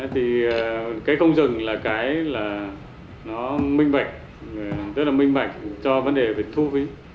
thì cái không dừng là cái là nó minh bạch rất là minh bạch cho vấn đề về thu phí